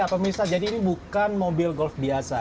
ya pemirsa jadi ini bukan mobil golf biasa